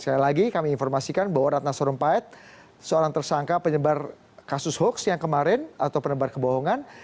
sekali lagi kami informasikan bahwa ratna sarumpait seorang tersangka penyebar kasus hoax yang kemarin atau penebar kebohongan